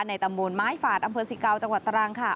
ตำบลไม้ฝาดอำเภอสิเกาจังหวัดตรังค่ะ